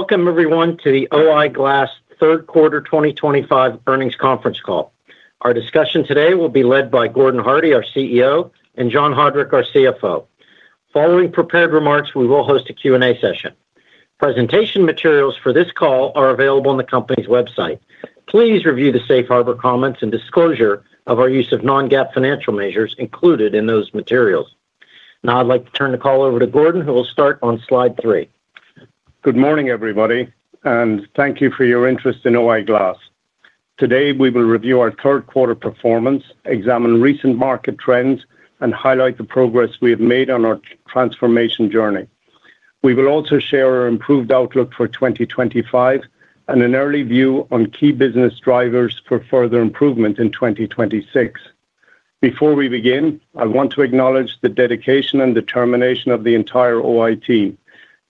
Welcome, everyone, to the O-I Glass third quarter 2025 earnings conference call. Our discussion today will be led by Gordon Hardie, our CEO, and John Haudrich, our CFO. Following prepared remarks, we will host a Q&A session. Presentation materials for this call are available on the company's website. Please review the safe harbor comments and disclosure of our use of non-GAAP financial measures included in those materials. Now, I'd like to turn the call over to Gordon, who will start on slide three. Good morning, everybody, and thank you for your interest in O-I Glass. Today, we will review our third quarter performance, examine recent market trends, and highlight the progress we have made on our transformation journey. We will also share our improved outlook for 2025 and an early view on key business drivers for further improvement in 2026. Before we begin, I want to acknowledge the dedication and determination of the entire O-I team.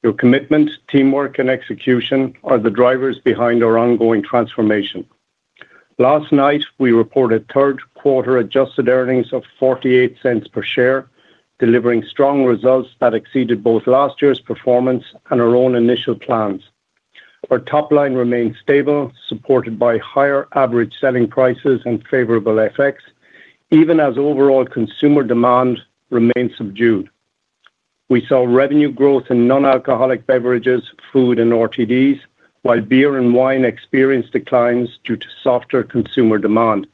Your commitment, teamwork, and execution are the drivers behind our ongoing transformation. Last night, we reported third quarter adjusted earnings of $0.48 per share, delivering strong results that exceeded both last year's performance and our own initial plans. Our top line remained stable, supported by higher average selling prices and favorable FX, even as overall consumer demand remained subdued. We saw revenue growth in non-alcoholic beverages, food, and RTDs, while beer and wine experienced declines due to softer consumer demand.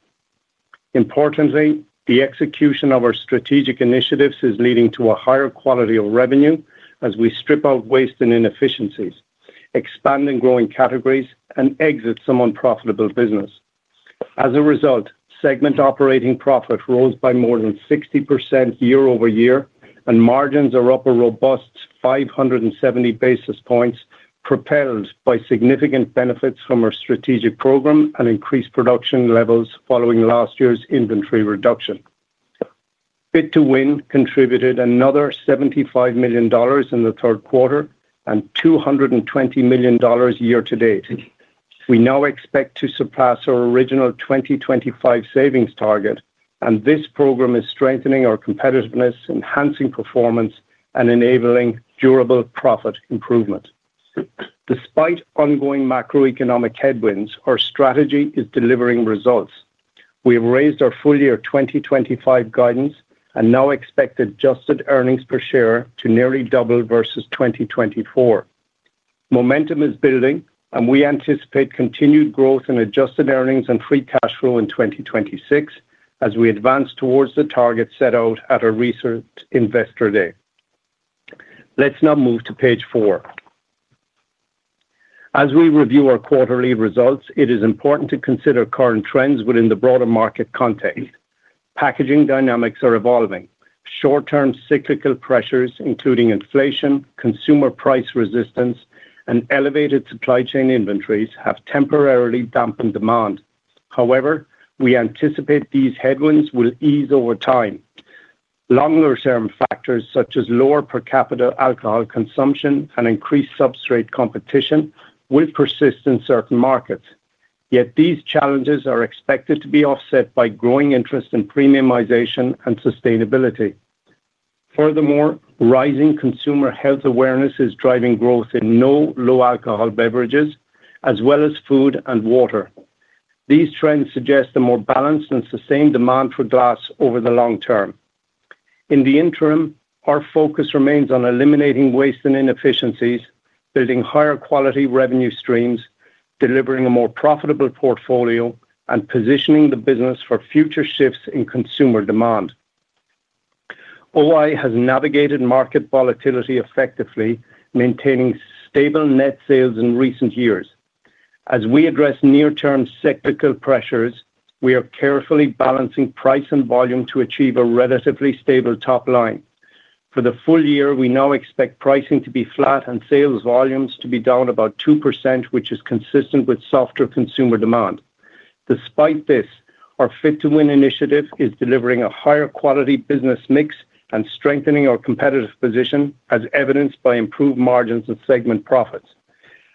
Importantly, the execution of our strategic initiatives is leading to a higher quality of revenue as we strip out waste and inefficiencies, expanding growing categories, and exit some unprofitable business. As a result, segment operating profit rose by more than 60% year over year, and margins are up a robust 570 basis points, propelled by significant benefits from our strategic program and increased production levels following last year's inventory reduction. Fit-to-win contributed another $75 million in the third quarter and $220 million year to date. We now expect to surpass our original 2025 savings target, and this program is strengthening our competitiveness, enhancing performance, and enabling durable profit improvement. Despite ongoing macroeconomic headwinds, our strategy is delivering results. We have raised our full year 2025 guidance and now expect adjusted earnings per share to nearly double versus 2024. Momentum is building, and we anticipate continued growth in adjusted earnings and free cash flow in 2026 as we advance towards the target set out at our research investor day. Let's now move to page four. As we review our quarterly results, it is important to consider current trends within the broader market context. Packaging dynamics are evolving. Short-term cyclical pressures, including inflation, consumer price resistance, and elevated supply chain inventories have temporarily dampened demand. However, we anticipate these headwinds will ease over time. Longer-term factors such as lower per capita alcohol consumption and increased substrate competition will persist in certain markets. Yet these challenges are expected to be offset by growing interest in premiumization and sustainability. Furthermore, rising consumer health awareness is driving growth in no-low alcohol beverages, as well as food and water. These trends suggest a more balanced and sustained demand for glass over the long term. In the interim, our focus remains on eliminating waste and inefficiencies, building higher quality revenue streams, delivering a more profitable portfolio, and positioning the business for future shifts in consumer demand. O-I has navigated market volatility effectively, maintaining stable net sales in recent years. As we address near-term cyclical pressures, we are carefully balancing price and volume to achieve a relatively stable top line. For the full year, we now expect pricing to be flat and sales volumes to be down about 2%, which is consistent with softer consumer demand. Despite this, our fit-to-win initiative is delivering a higher quality business mix and strengthening our competitive position, as evidenced by improved margins and segment profits.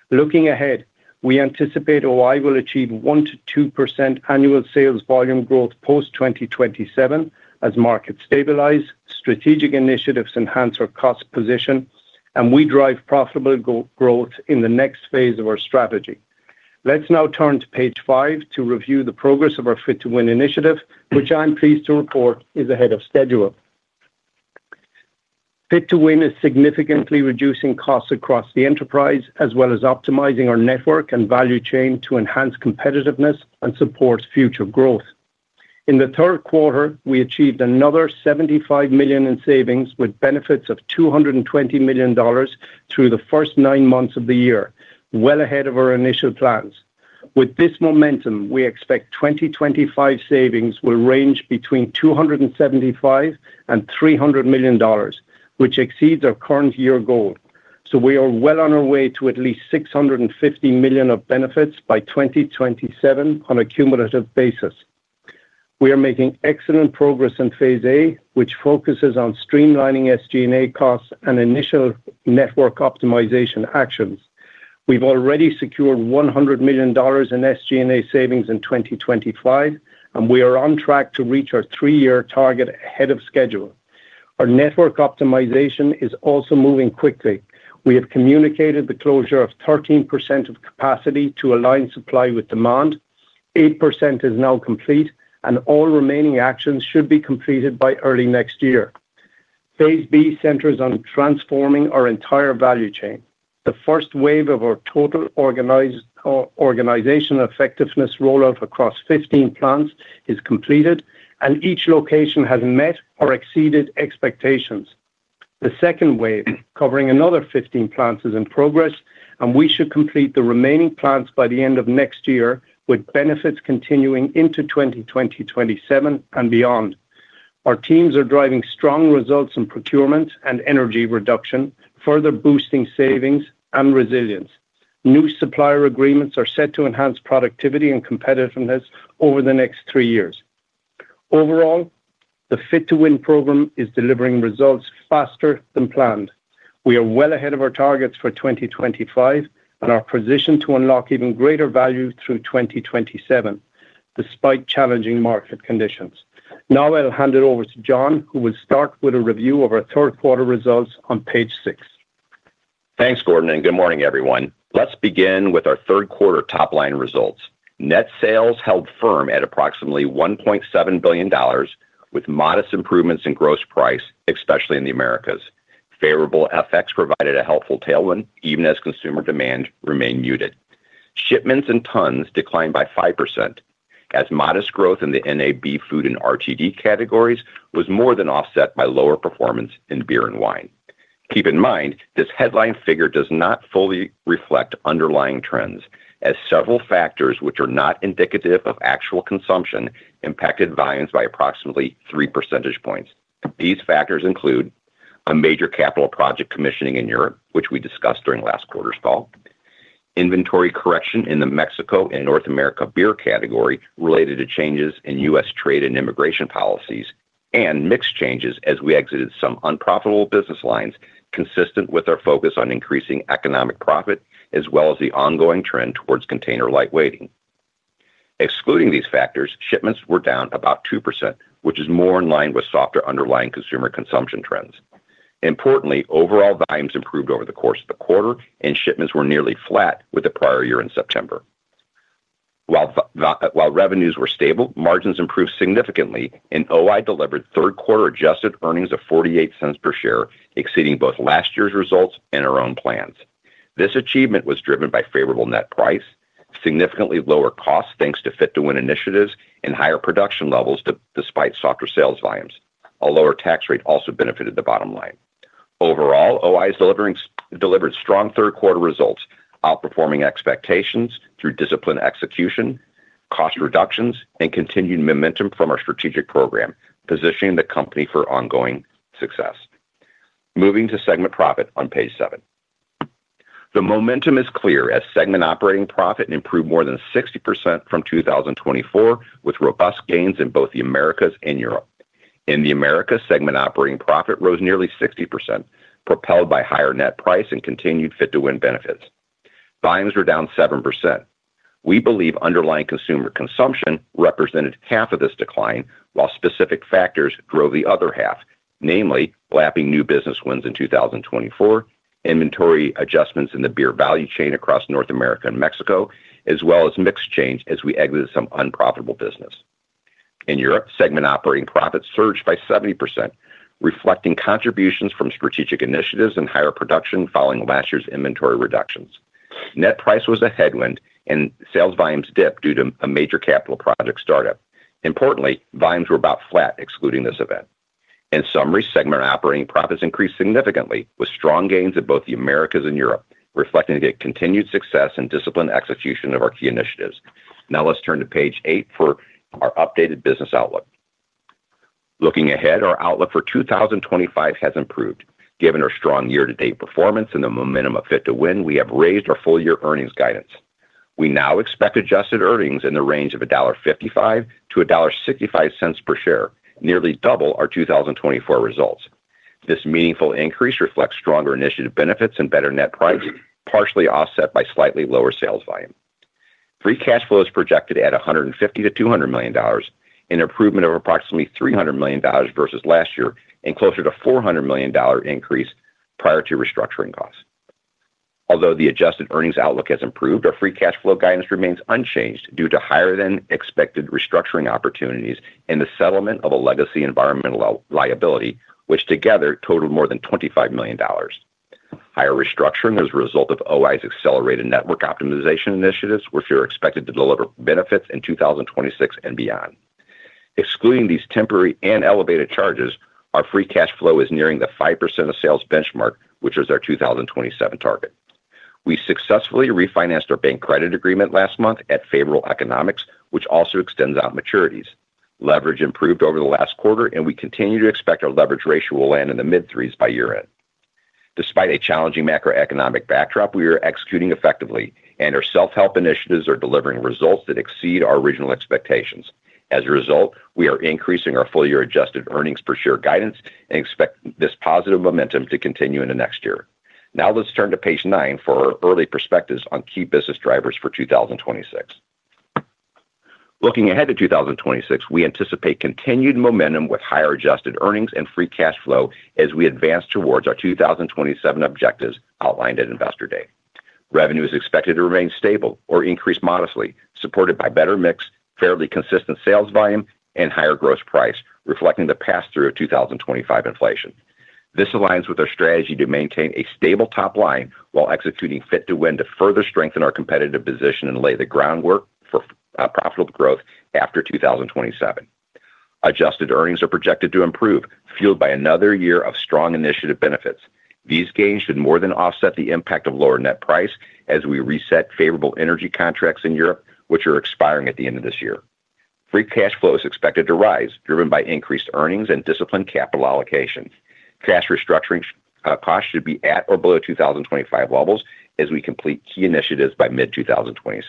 Looking ahead, we anticipate O-I will achieve 1%-2% annual sales volume growth post-2027 as markets stabilize, strategic initiatives enhance our cost position, and we drive profitable growth in the next phase of our strategy. Let's now turn to page five to review the progress of our fit-to-win initiative, which I'm pleased to report is ahead of schedule. Fit-to-win is significantly reducing costs across the enterprise, as well as optimizing our network and value chain to enhance competitiveness and support future growth. In the third quarter, we achieved another $75 million in savings with benefits of $220 million through the first nine months of the year, well ahead of our initial plans. With this momentum, we expect 2025 savings will range between $275-$300 million, which exceeds our current year goal. We are well on our way to at least $650 million of benefits by 2027 on a cumulative basis. We are making excellent progress in phase A, which focuses on streamlining SG&A costs and initial network optimization actions. We've already secured $100 million in SG&A savings in 2025, and we are on track to reach our three-year target ahead of schedule. Our network optimization is also moving quickly. We have communicated the closure of 13% of capacity to align supply with demand. 8% is now complete, and all remaining actions should be completed by early next year. Phase B centers on transforming our entire value chain. The first wave of our total organization effectiveness rollout across 15 plants is completed, and each location has met or exceeded expectations. The second wave, covering another 15 plants, is in progress, and we should complete the remaining plants by the end of next year, with benefits continuing into 2027 and beyond. Our teams are driving strong results in procurement and energy reduction, further boosting savings and resilience. New supplier agreements are set to enhance productivity and competitiveness over the next three years. Overall, the fit-to-win program is delivering results faster than planned. We are well ahead of our targets for 2025 and are positioned to unlock even greater value through 2027, despite challenging market conditions. Now, I'll hand it over to John, who will start with a review of our third quarter results on page six. Thanks, Gordon, and good morning, everyone. Let's begin with our third quarter top line results. Net sales held firm at approximately $1.7 billion, with modest improvements in gross price, especially in the Americas. Favorable FX provided a helpful tailwind, even as consumer demand remained muted. Shipments and tons declined by 5%, as modest growth in the NAB food and RTD categories was more than offset by lower performance in beer and wine. Keep in mind, this headline figure does not fully reflect underlying trends, as several factors which are not indicative of actual consumption impacted volumes by approximately 3 percentage points. These factors include a major capital project commissioning in Europe, which we discussed during last quarter's call, and inventory correction in the Mexico and North America beer category related to changes in U.S. Trade and immigration policies, and mixed changes as we exited some unprofitable business lines, consistent with our focus on increasing economic profit, as well as the ongoing trend towards container light weighting. Excluding these factors, shipments were down about 2%, which is more in line with softer underlying consumer consumption trends. Importantly, overall volumes improved over the course of the quarter, and shipments were nearly flat with the prior year in September. While revenues were stable, margins improved significantly, and O-I delivered third quarter adjusted earnings of $0.48 per share, exceeding both last year's results and our own plans. This achievement was driven by favorable net price, significantly lower costs thanks to fit-to-win initiatives, and higher production levels despite softer sales volumes. A lower tax rate also benefited the bottom line. Overall, O-I delivered strong third quarter results, outperforming expectations through disciplined execution, cost reductions, and continued momentum from our strategic program, positioning the company for ongoing success. Moving to segment profit on page seven. The momentum is clear as segment operating profit improved more than 60% from 2024, with robust gains in both the Americas and Europe. In the Americas, segment operating profit rose nearly 60%, propelled by higher net price and continued fit-to-win benefits. Volumes were down 7%. We believe underlying consumer consumption represented half of this decline, while specific factors drove the other half, namely lapping new business wins in 2024, inventory adjustments in the beer value chain across North America and Mexico, as well as mixed gains as we exited some unprofitable business. In Europe, segment operating profit surged by 70%, reflecting contributions from strategic initiatives and higher production following last year's inventory reductions. Net price was a headwind, and sales volumes dipped due to a major capital project startup. Importantly, volumes were about flat, excluding this event. In summary, segment operating profits increased significantly, with strong gains in both the Americas and Europe, reflecting continued success and disciplined execution of our key initiatives. Now, let's turn to page eight for our updated business outlook. Looking ahead, our outlook for 2025 has improved. Given our strong year-to-date performance and the momentum of fit-to-win, we have raised our full-year earnings guidance. We now expect adjusted earnings in the range of $1.55-$1.65 per share, nearly double our 2024 results. This meaningful increase reflects stronger initiative benefits and better net price, partially offset by slightly lower sales volume. Free cash flow is projected at $150-$200 million, an improvement of approximately $300 million versus last year, and closer to a $400 million increase prior to restructuring costs. Although the adjusted earnings outlook has improved, our free cash flow guidance remains unchanged due to higher-than-expected restructuring opportunities and the settlement of a legacy environmental liability, which together totaled more than $25 million. Higher restructuring is a result of O-I Glass's accelerated network optimization initiatives, which are expected to deliver benefits in 2026 and beyond. Excluding these temporary and elevated charges, our free cash flow is nearing the 5% of sales benchmark, which is our 2027 target. We successfully refinanced our bank credit agreement last month at favorable economics, which also extends out maturities. Leverage improved over the last quarter, and we continue to expect our leverage ratio will land in the mid-threes by year-end. Despite a challenging macroeconomic backdrop, we are executing effectively, and our self-help initiatives are delivering results that exceed our original expectations. As a result, we are increasing our full-year adjusted earnings per share guidance and expect this positive momentum to continue into next year. Now, let's turn to page nine for our early perspectives on key business drivers for 2026. Looking ahead to 2026, we anticipate continued momentum with higher adjusted earnings and free cash flow as we advance towards our 2027 objectives outlined at investor day. Revenue is expected to remain stable or increase modestly, supported by better mix, fairly consistent sales volume, and higher gross price, reflecting the pass through 2025 inflation. This aligns with our strategy to maintain a stable top line while executing fit-to-win to further strengthen our competitive position and lay the groundwork for profitable growth after 2027. Adjusted earnings are projected to improve, fueled by another year of strong initiative benefits. These gains should more than offset the impact of lower net price as we reset favorable energy contracts in Europe, which are expiring at the end of this year. Free cash flow is expected to rise, driven by increased earnings and disciplined capital allocation. Cash restructuring costs should be at or below 2025 levels as we complete key initiatives by mid-2026.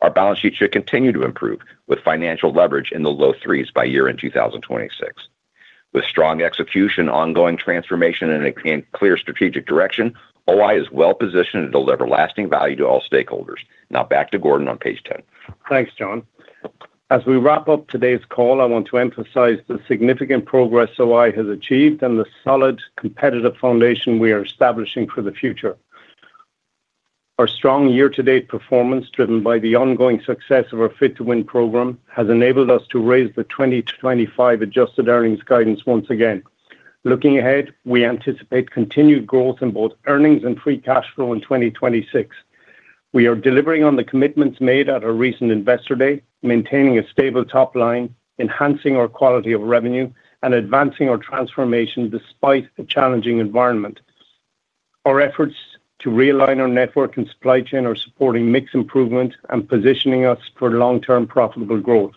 Our balance sheet should continue to improve, with financial leverage in the low threes by year-end 2026. With strong execution, ongoing transformation, and a clear strategic direction, O-I Glass is well positioned to deliver lasting value to all stakeholders. Now, back to Gordon on page 10. Thanks, John. As we wrap up today's call, I want to emphasize the significant progress O-I Glass has achieved and the solid competitive foundation we are establishing for the future. Our strong year-to-date performance, driven by the ongoing success of our fit-to-win program, has enabled us to raise the 2025 adjusted earnings guidance once again. Looking ahead, we anticipate continued growth in both earnings and free cash flow in 2026. We are delivering on the commitments made at our recent investor day, maintaining a stable top line, enhancing our quality of revenue, and advancing our transformation despite a challenging environment. Our efforts to realign our network and supply chain are supporting mixed improvement and positioning us for long-term profitable growth.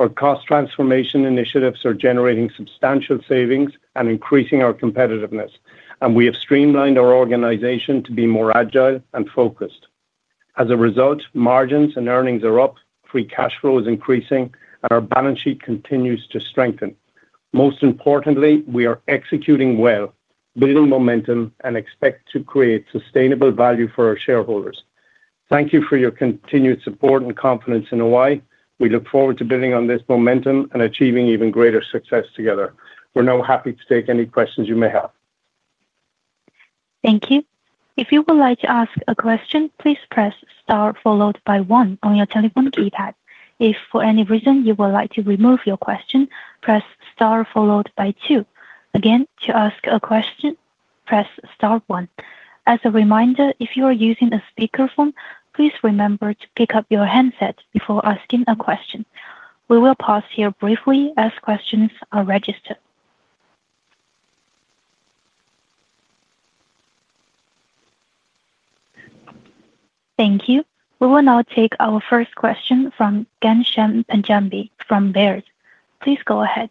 Our cost transformation initiatives are generating substantial savings and increasing our competitiveness, and we have streamlined our organization to be more agile and focused. As a result, margins and earnings are up, free cash flow is increasing, and our balance sheet continues to strengthen. Most importantly, we are executing well, building momentum, and expect to create sustainable value for our shareholders. Thank you for your continued support and confidence in O-I. We look forward to building on this momentum and achieving even greater success together. We're now happy to take any questions you may have. Thank you. If you would like to ask a question, please press star followed by one on your telephone keypad. If for any reason you would like to remove your question, press star followed by two. Again, to ask a question, press star one. As a reminder, if you are using a speakerphone, please remember to pick up your handset before asking a question. We will pause here briefly as questions are registered. Thank you. We will now take our first question from Ghansham Panjabi from Baird. Please go ahead.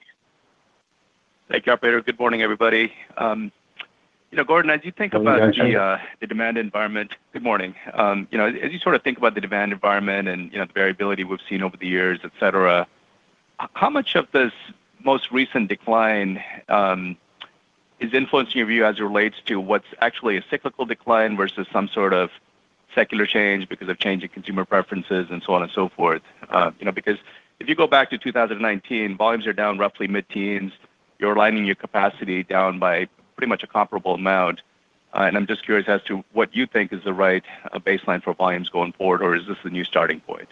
Thank you. Good morning, everybody. Gordon, as you think about the demand environment, good morning. You know, as you sort of think about the demand environment and the variability we've seen over the years, et cetera, how much of this most recent decline is influencing your view as it relates to what's actually a cyclical decline versus some sort of secular change because of change in consumer preferences and so on and so forth? You know, because if you go back to 2019, volumes are down roughly mid-teens. You're aligning your capacity down by pretty much a comparable amount. I'm just curious as to what you think is the right baseline for volumes going forward, or is this a new starting point?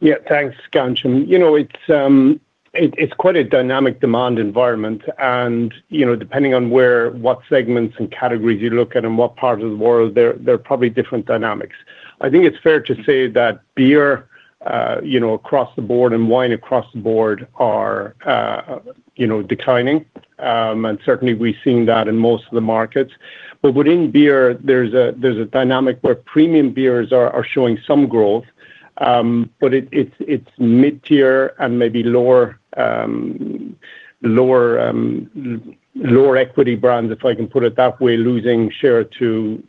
Yeah, thanks, Ghansham. You know, it's quite a dynamic demand environment. You know, depending on what segments and categories you look at and what part of the world, there are probably different dynamics. I think it's fair to say that beer, you know, across the board and wine across the board are, you know, declining. Certainly, we've seen that in most of the markets. Within beer, there's a dynamic where premium beers are showing some growth. It's mid-tier and maybe lower. Equity brands, if I can put it that way, losing share to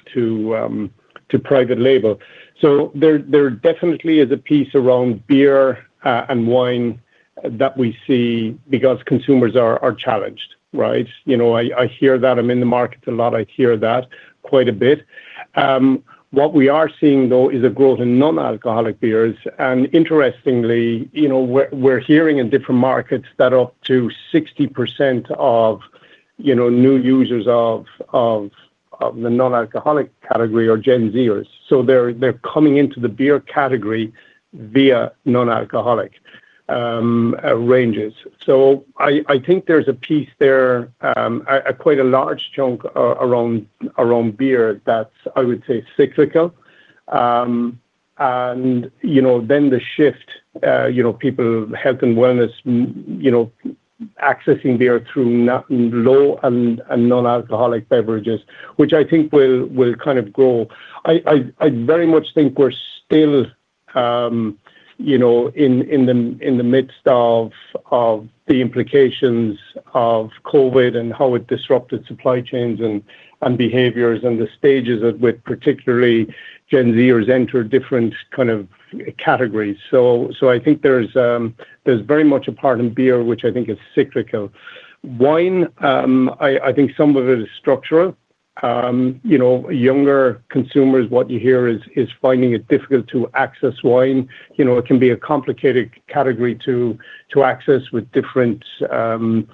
private label. There definitely is a piece around beer and wine that we see because consumers are challenged, right? You know, I hear that. I'm in the market a lot. I hear that quite a bit. What we are seeing, though, is a growth in non-alcoholic beers. Interestingly, you know, we're hearing in different markets that up to 60% of new users of the non-alcoholic category are Gen Zers. They're coming into the beer category via non-alcoholic ranges. I think there's a piece there, quite a large chunk around beer that's, I would say, cyclical. You know, then the shift, you know, people, health and wellness, you know, accessing beer through low and non-alcoholic beverages, which I think will kind of grow. I very much think we're still in the midst of the implications of COVID and how it disrupted supply chains and behaviors and the stages of which particularly Gen Zers enter different kind of categories. I think there's very much a part in beer, which I think is cyclical. Wine, I think some of it is structural. You know, younger consumers, what you hear is finding it difficult to access wine. You know, it can be a complicated category to access with different appellations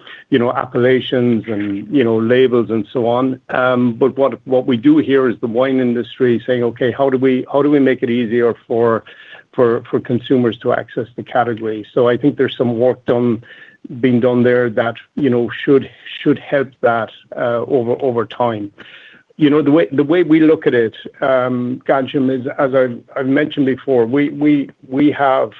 and labels and so on. But what we do hear is the wine industry saying, okay, how do we make it easier for consumers to access the category? So I think there's some work being done there that, you know, should help that over time. You know, the way we look at it, Genshen, as I've mentioned before, we have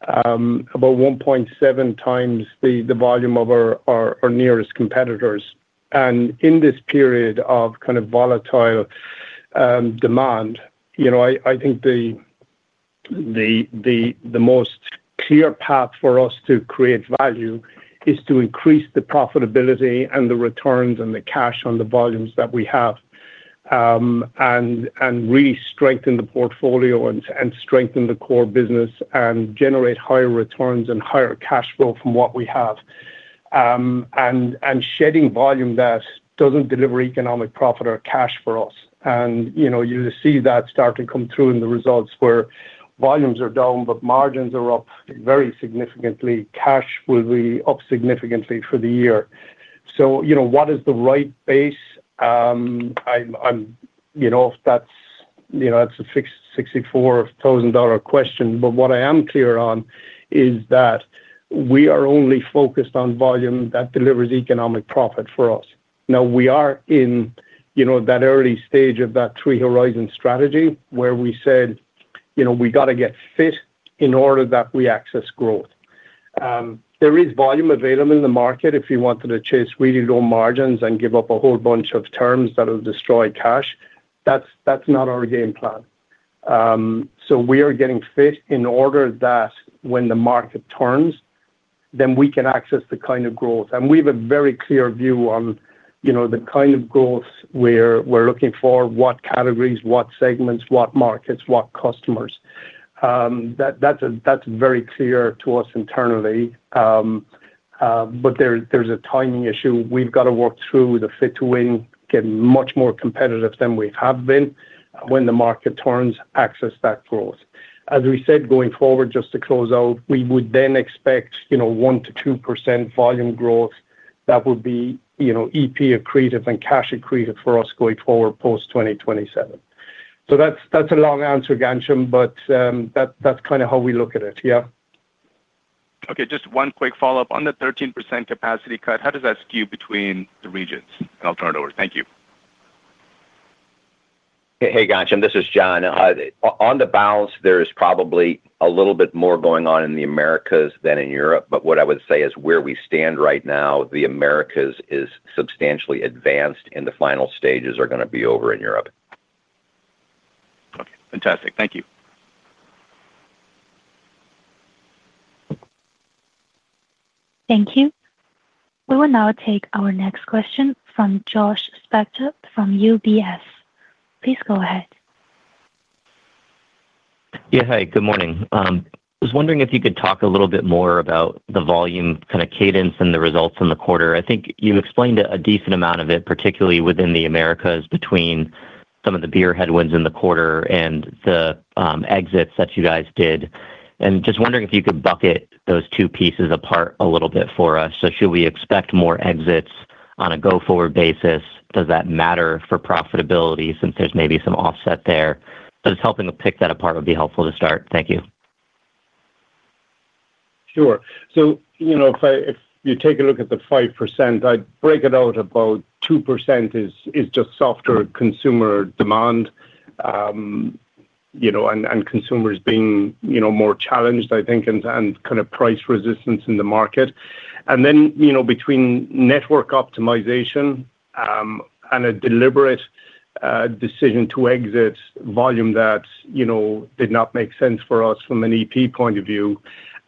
about 1.7 times the volume of our nearest competitors. And in this period of kind of volatile demand, you know, I think the most clear path for us to create value is to increase the profitability and the returns and the cash on the volumes that we have. Really strengthen the portfolio and strengthen the core business and generate higher returns and higher cash flow from what we have. Shedding volume that does not deliver economic profit or cash for us. You know, you will see that start to come through in the results where volumes are down, but margins are up very significantly. Cash will be up significantly for the year. You know, what is the right base? I am, you know, that is a fixed $64,000 question. What I am clear on is that we are only focused on volume that delivers economic profit for us. Now, we are in, you know, that early stage of that three-horizon strategy where we said, you know, we got to get fit in order that we access growth. There is volume available in the market if you wanted to chase really low margins and give up a whole bunch of terms that will destroy cash. That's not our game plan. We are getting fit in order that when the market turns, then we can access the kind of growth. We have a very clear view on, you know, the kind of growth we're looking for, what categories, what segments, what markets, what customers. That's very clear to us internally. There is a timing issue. We've got to work through the fit to win and get much more competitive than we have been. When the market turns, access that growth. As we said, going forward, just to close out, we would then expect, you know, 1-2% volume growth that would be, you know, EP accretive and cash accretive for us going forward post 2027. That's a long answer, Ghansham, but that's kind of how we look at it, yeah. Okay, just one quick follow-up. On the 13% capacity cut, how does that skew between the regions? I'll turn it over. Thank you. Hey, Ghansham, this is John. On the balance, there is probably a little bit more going on in the Americas than in Europe. What I would say is where we stand right now, the Americas is substantially advanced, and the final stages are going to be over in Europe. Okay, fantastic. Thank you. Thank you. We will now take our next question from Josh Spector from UBS. Please go ahead. Yeah, hi, good morning. I was wondering if you could talk a little bit more about the volume kind of cadence and the results in the quarter. I think you explained a decent amount of it, particularly within the Americas between some of the beer headwinds in the quarter and the exits that you guys did. I am just wondering if you could bucket those two pieces apart a little bit for us. Should we expect more exits on a go-forward basis? Does that matter for profitability since there is maybe some offset there? It is helping to pick that apart, would be helpful to start. Thank you. Sure. If you take a look at the 5%, I'd break it out. About 2% is just softer consumer demand, you know, and consumers being, you know, more challenged, I think, and kind of price resistance in the market. Then, between network optimization and a deliberate decision to exit volume that, you know, did not make sense for us from an EP point of view,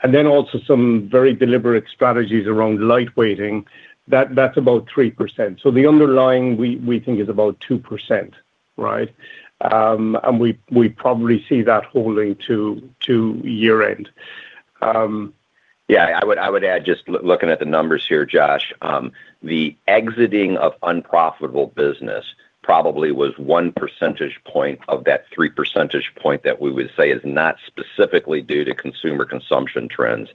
and also some very deliberate strategies around lightweighting, that's about 3%. The underlying, we think, is about 2%, right? We probably see that holding to year-end. Yeah, I would add, just looking at the numbers here, Josh, the exiting of unprofitable business probably was one percentage point of that three percentage point that we would say is not specifically due to consumer consumption trends.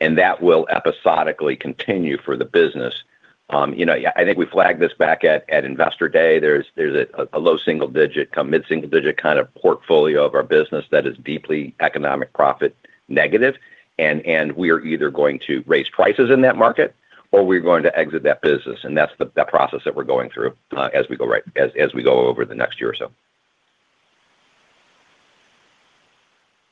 That will episodically continue for the business. You know, I think we flagged this back at investor day. There is a low single digit, mid-single digit kind of portfolio of our business that is deeply economic profit negative. We are either going to raise prices in that market or we are going to exit that business. That is the process that we are going through as we go over the next year or so.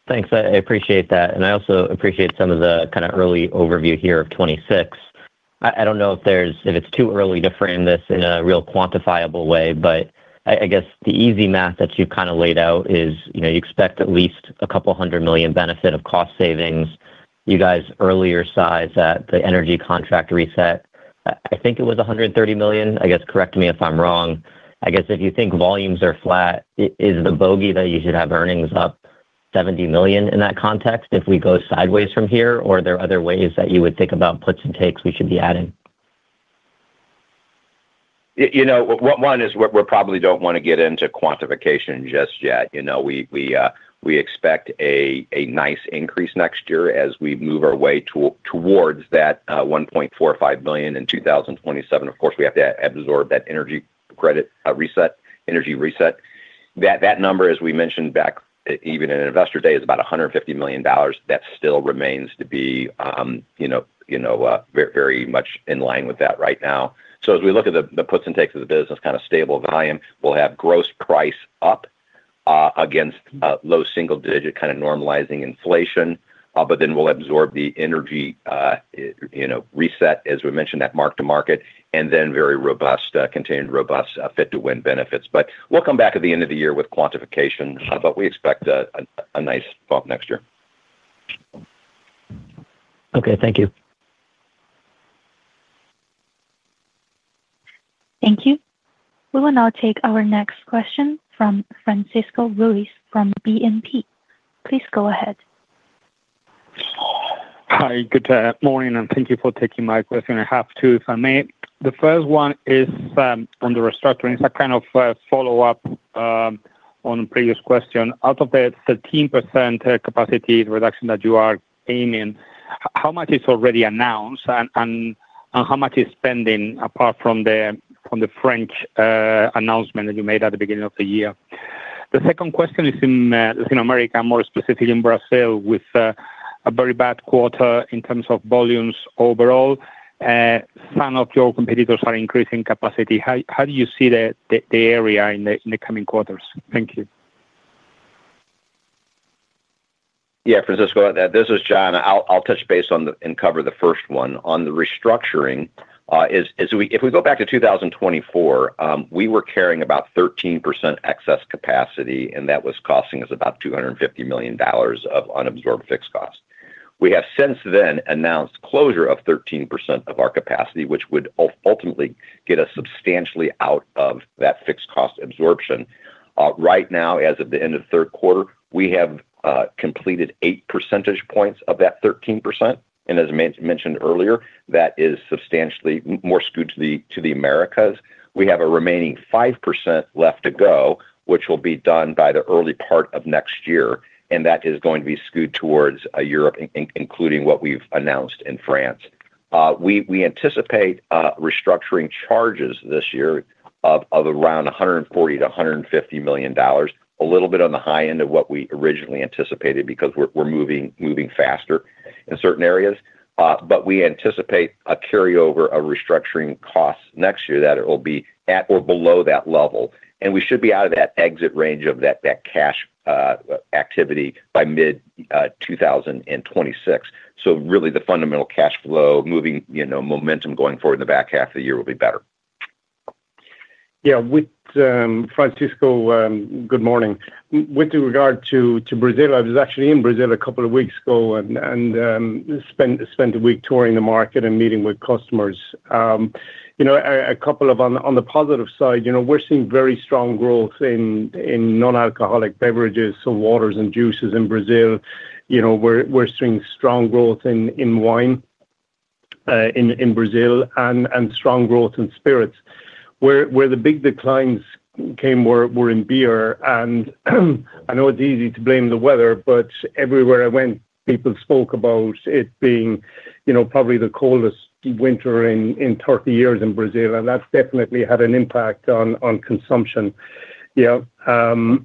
Thanks. I appreciate that. I also appreciate some of the kind of early overview here of 2026. I do not know if it is too early to frame this in a real quantifiable way, but I guess the easy math that you have kind of laid out is, you know, you expect at least a couple hundred million benefit of cost savings. You guys earlier sized the energy contract reset. I think it was $130 million. I guess correct me if I am wrong. I guess if you think volumes are flat, is the bogey that you should have earnings up $70 million in that context if we go sideways from here? Or are there other ways that you would think about puts and takes we should be adding? You know, one is we probably do not want to get into quantification just yet. You know, we expect a nice increase next year as we move our way towards that $1.45 billion in 2027. Of course, we have to absorb that energy credit reset, energy reset. That number, as we mentioned back even in investor day, is about $150 million. That still remains to be, you know, very much in line with that right now. As we look at the puts and takes of the business, kind of stable volume, we will have gross price up. Against low single digit kind of normalizing inflation. We will absorb the energy reset, as we mentioned, that mark to market, and then very robust, continued robust fit to win benefits. We will come back at the end of the year with quantification, but we expect a nice bump next year. Okay, thank you. Thank you. We will now take our next question from Francisco Ruiz from BNP. Please go ahead. Hi, good morning. Thank you for taking my question. I have two, if I may. The first one is on the restructuring, kind of a follow-up on the previous question. Out of the 13% capacity reduction that you are aiming, how much is already announced and how much is pending apart from the French announcement that you made at the beginning of the year? The second question is in Latin America, more specifically in Brazil, with a very bad quarter in terms of volumes overall. Some of your competitors are increasing capacity. How do you see the area in the coming quarters? Thank you. Yeah, Francisco, this is John. I'll touch base on and cover the first one. On the restructuring. If we go back to 2024, we were carrying about 13% excess capacity, and that was costing us about $250 million of unabsorbed fixed costs. We have since then announced closure of 13% of our capacity, which would ultimately get us substantially out of that fixed cost absorption. Right now, as of the end of the third quarter, we have completed 8 percentage points of that 13%. As mentioned earlier, that is substantially more skewed to the Americas. We have a remaining 5% left to go, which will be done by the early part of next year. That is going to be skewed towards Europe, including what we've announced in France. We anticipate restructuring charges this year of around $140-$150 million, a little bit on the high end of what we originally anticipated because we're moving faster in certain areas. We anticipate a carryover of restructuring costs next year that it will be at or below that level. We should be out of that exit range of that cash activity by mid-2026. Really, the fundamental cash flow moving, you know, momentum going forward in the back half of the year will be better. Yeah, with Francisco, good morning. With regard to Brazil, I was actually in Brazil a couple of weeks ago and spent a week touring the market and meeting with customers. You know, a couple of on the positive side, you know, we're seeing very strong growth in non-alcoholic beverages, so waters and juices in Brazil. You know, we're seeing strong growth in wine in Brazil, and strong growth in spirits. Where the big declines came were in beer. I know it's easy to blame the weather, but everywhere I went, people spoke about it being, you know, probably the coldest winter in 30 years in Brazil. That's definitely had an impact on consumption, yeah. Also,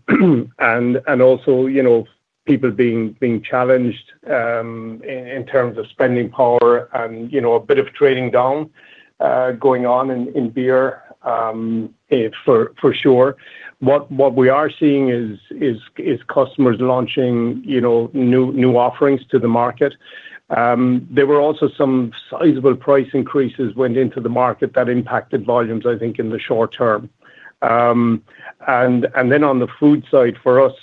you know, people being challenged in terms of spending power and, you know, a bit of trading down going on in beer. For sure. What we are seeing is. Customers launching, you know, new offerings to the market. There were also some sizable price increases went into the market that impacted volumes, I think, in the short term. On the food side for us,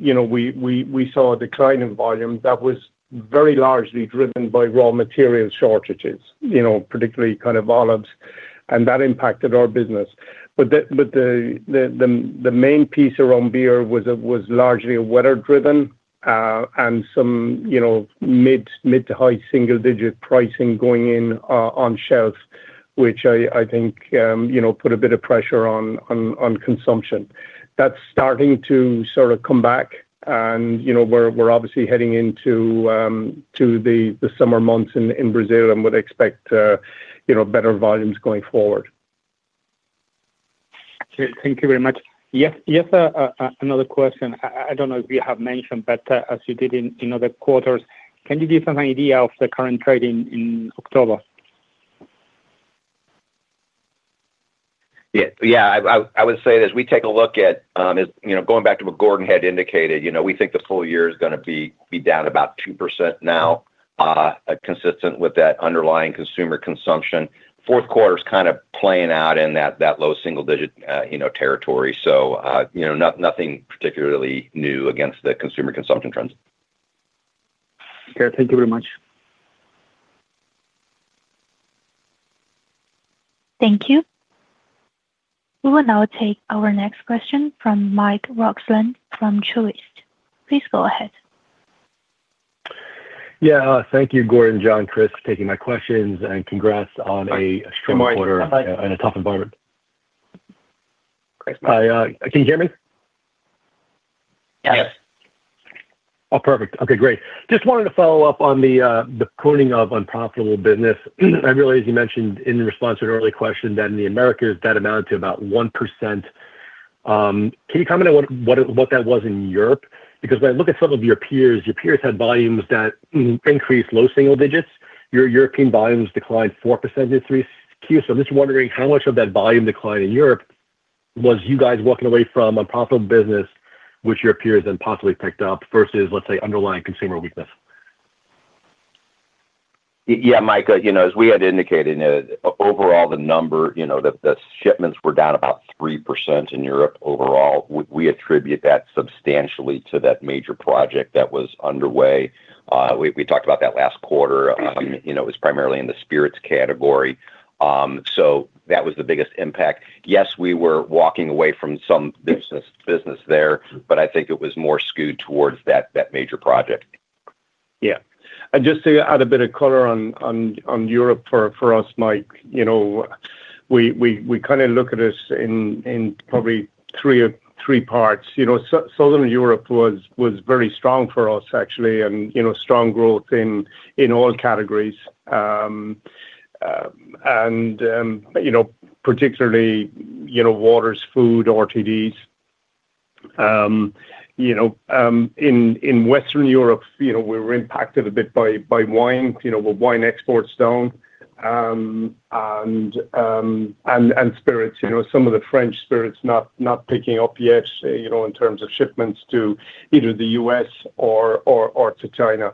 you know, we saw a decline in volume that was very largely driven by raw materials shortages, you know, particularly kind of olives. That impacted our business. The main piece around beer was largely weather-driven. Some, you know, mid to high single digit pricing going in on shelf, which I think, you know, put a bit of pressure on consumption. That is starting to sort of come back. You know, we are obviously heading into the summer months in Brazil and would expect, you know, better volumes going forward. Thank you very much. Yes, another question. I do not know if you have mentioned, but as you did in other quarters, can you give us an idea of the current trade in October? Yeah, I would say that as we take a look at, you know, going back to what Gordon had indicated, you know, we think the full year is going to be down about 2% now. Consistent with that underlying consumer consumption. Fourth quarter is kind of playing out in that low single digit, you know, territory. You know, nothing particularly new against the consumer consumption trends. Okay, thank you very much. Thank you. We will now take our next question from Mike Roxland from Truist. Please go ahead. Yeah, thank you, Gordon, John, Chris, for taking my questions and congrats on a strong quarter and a tough environment. Hi, can you hear me? Yes. Oh, perfect. Okay, great. Just wanted to follow up on the pruning of unprofitable business. I realize you mentioned in response to an earlier question that in the Americas that amounted to about 1%. Can you comment on what that was in Europe? Because when I look at some of your peers, your peers had volumes that increased low single digits. Your European volumes declined 4% in the three Qs. So I'm just wondering how much of that volume decline in Europe was you guys walking away from unprofitable business, which your peers then possibly picked up versus, let's say, underlying consumer weakness? Yeah, Mike, you know, as we had indicated, overall the number, you know, the shipments were down about 3% in Europe overall. We attribute that substantially to that major project that was underway. We talked about that last quarter. You know, it was primarily in the spirits category. So that was the biggest impact. Yes, we were walking away from some business there, but I think it was more skewed towards that major project. Yeah. And just to add a bit of color on Europe for us, Mike, you know. We kind of look at this in probably three parts. You know, Southern Europe was very strong for us, actually, and, you know, strong growth in all categories. And, you know, particularly, you know, waters, food, RTDs. You know, in Western Europe, you know, we were impacted a bit by wine, you know, with wine exports down. Spirits, you know, some of the French spirits not picking up yet, you know, in terms of shipments to either the U.S. or to China.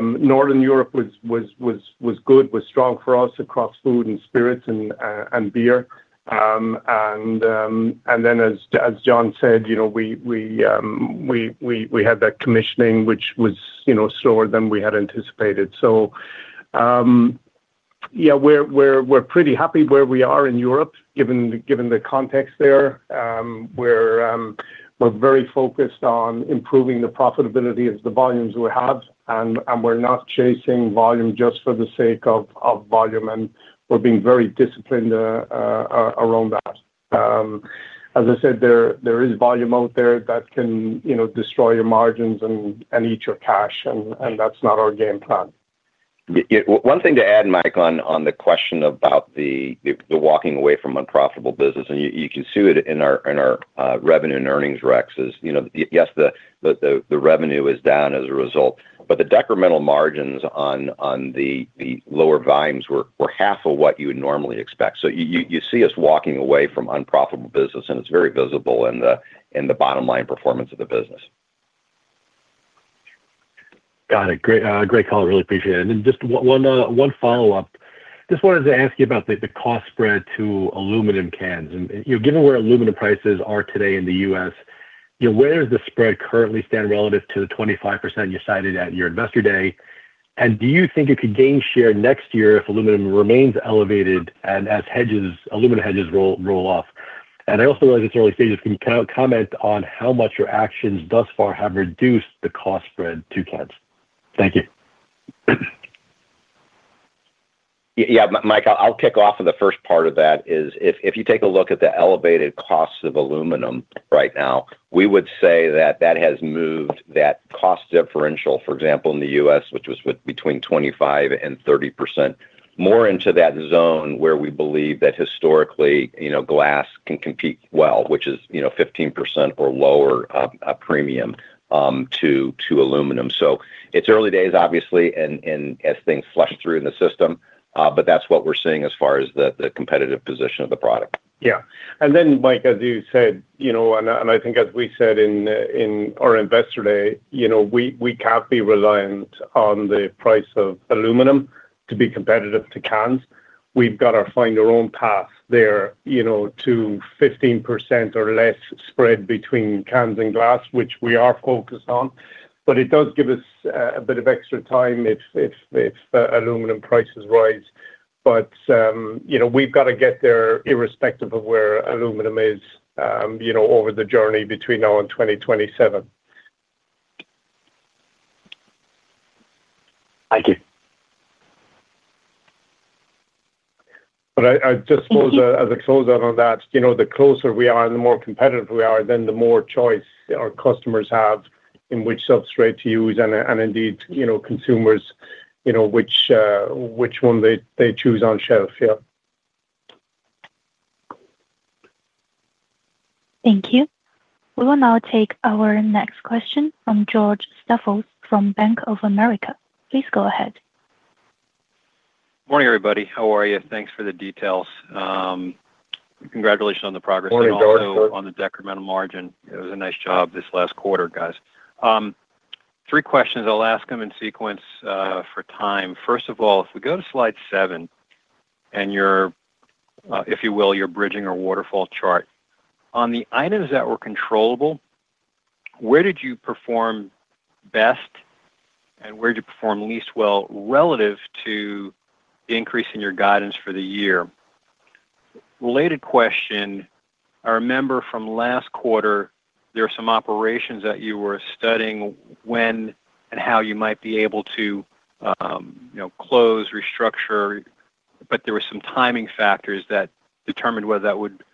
Northern Europe was good, was strong for us across food and spirits and beer. And then, as John said, you know, we had that commissioning, which was, you know, slower than we had anticipated. Yeah, we're pretty happy where we are in Europe, given the context there. We're very focused on improving the profitability of the volumes we have. We're not chasing volume just for the sake of volume. We're being very disciplined around that. As I said, there is volume out there that can, you know, destroy your margins and eat your cash. That's not our game plan. One thing to add, Mike, on the question about the walking away from unprofitable business. You can see it in our revenue and earnings recs. You know, yes, the revenue is down as a result. The decremental margins on the lower volumes were half of what you would normally expect. You see us walking away from unprofitable business, and it is very visible in the bottom line performance of the business. Got it. Great call. Really appreciate it. Just one follow-up. Just wanted to ask you about the cost spread to aluminum cans. You know, given where aluminum prices are today in the US, you know, where does the spread currently stand relative to the 25% you cited at your investor day? Do you think it could gain share next year if aluminum remains elevated and as aluminum hedges roll off? I also realize it's early stages. Can you comment on how much your actions thus far have reduced the cost spread to cans? Thank you. Yeah, Mike, I'll kick off the first part of that. If you take a look at the elevated costs of aluminum right now, we would say that that has moved that cost differential, for example, in the US, which was between 25-30%, more into that zone where we believe that historically, you know, glass can compete well, which is, you know, 15% or lower a premium to aluminum. It is early days, obviously, and as things flush through in the system, but that's what we're seeing as far as the competitive position of the product. Yeah. And then, Mike, as you said, you know, and I think as we said in our investor day, you know, we can't be reliant on the price of aluminum to be competitive to cans. We've got our find-your-own-path there, you know, to 15% or less spread between cans and glass, which we are focused on. It does give us a bit of extra time if aluminum prices rise. You know, we've got to get there irrespective of where aluminum is, you know, over the journey between now and 2027. Thank you. I just suppose as a closeout on that, you know, the closer we are and the more competitive we are, then the more choice our customers have in which substrate to use and indeed, you know, consumers, you know, which one they choose on shelf, yeah. Thank you. We will now take our next question from George Staphos from Bank of America. Please go ahead. Morning, everybody. How are you? Thanks for the details. Congratulations on the progress. Morning, George. On the decremental margin. It was a nice job this last quarter, guys. Three questions. I'll ask them in sequence for time. First of all, if we go to slide seven and your, if you will, your bridging or waterfall chart. On the items that were controllable, where did you perform best and where did you perform least well relative to the increase in your guidance for the year? Related question. I remember from last quarter, there were some operations that you were studying when and how you might be able to, you know, close, restructure, but there were some timing factors that determined whether that would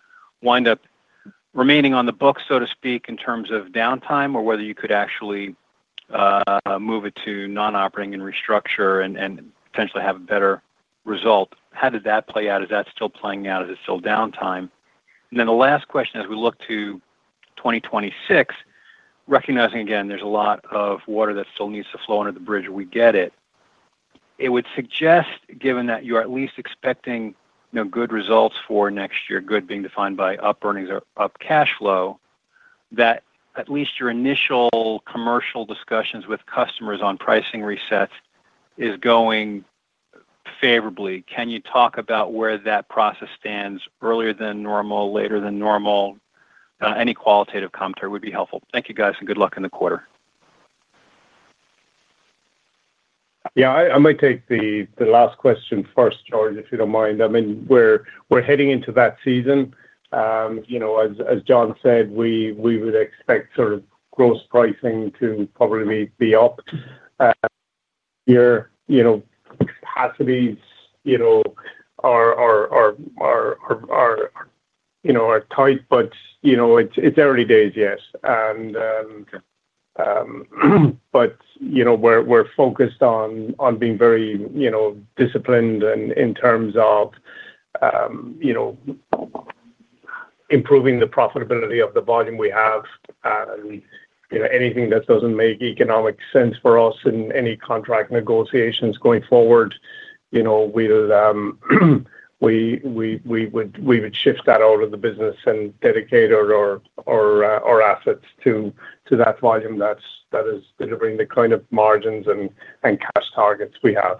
wind up remaining on the book, so to speak, in terms of downtime or whether you could actually move it to non-operating and restructure and potentially have a better result. How did that play out? Is that still playing out? Is it still downtime? The last question as we look to 2026. Recognizing, again, there's a lot of water that still needs to flow under the bridge, we get it. It would suggest, given that you're at least expecting, you know, good results for next year, good being defined by up earnings or up cash flow, that at least your initial commercial discussions with customers on pricing resets is going favorably. Can you talk about where that process stands, earlier than normal, later than normal? Any qualitative commentary would be helpful. Thank you, guys, and good luck in the quarter. Yeah, I might take the last question first, George, if you don't mind. I mean, we're heading into that season. You know, as John said, we would expect sort of gross pricing to probably be up. Your, you know, capacities are tight, but, you know, it's early days, yes. You know, we're focused on being very, you know, disciplined in terms of improving the profitability of the volume we have. You know, anything that doesn't make economic sense for us in any contract negotiations going forward, you know, we would shift that out of the business and dedicate our assets to that volume that is delivering the kind of margins and cash targets we have.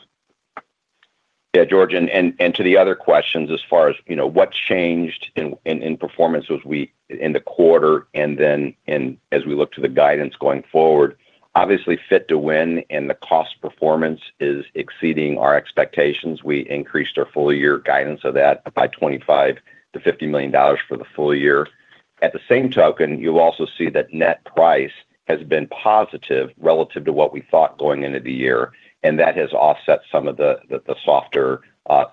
Yeah, George. To the other questions as far as, you know, what changed in performance in the quarter and then as we look to the guidance going forward, obviously Fit-to-Win and the cost performance is exceeding our expectations. We increased our full year guidance of that by $25-$50 million for the full year. At the same token, you'll also see that net price has been positive relative to what we thought going into the year. That has offset some of the softer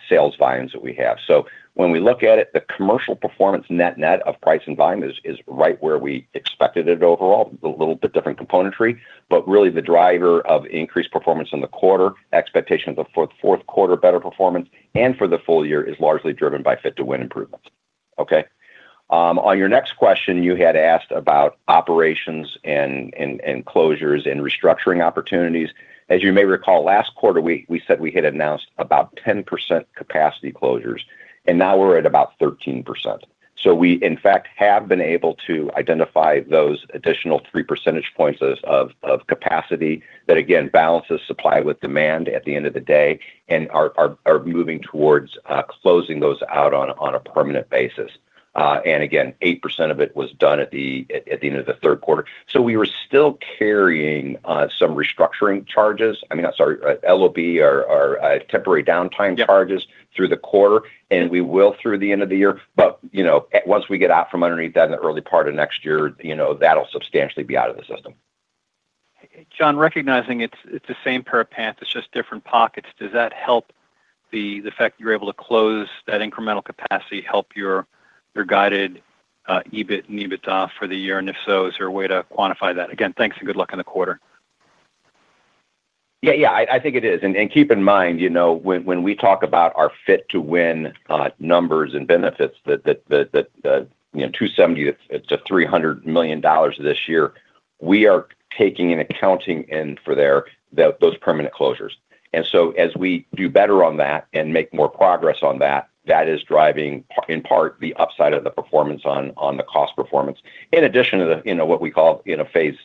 sales volumes that we have. When we look at it, the commercial performance net-net of price and volume is right where we expected it overall, a little bit different componentry. Really, the driver of increased performance in the quarter, expectation for the fourth quarter better performance and for the full year is largely driven by Fit-to-Win improvements. Okay. On your next question, you had asked about operations and closures and restructuring opportunities. As you may recall, last quarter, we said we had announced about 10% capacity closures. Now we're at about 13%. We, in fact, have been able to identify those additional three percentage points of capacity that, again, balances supply with demand at the end of the day and are moving towards closing those out on a permanent basis. Again, 8% of it was done at the end of the third quarter. We were still carrying some restructuring charges, I mean, sorry, LOB or temporary downtime charges through the quarter and we will through the end of the year. You know, once we get out from underneath that in the early part of next year, you know, that'll substantially be out of the system. John, recognizing it's the same pair of pants, it's just different pockets. Does that help the fact that you're able to close that incremental capacity help your guided EBIT and EBITDA for the year? If so, is there a way to quantify that? Again, thanks and good luck in the quarter. Yeah, yeah, I think it is. And keep in mind, you know, when we talk about our fit to win numbers and benefits, that $270-$300 million this year, we are taking and accounting in for those permanent closures. And as we do better on that and make more progress on that, that is driving in part the upside of the performance on the cost performance. In addition to, you know, what we call phase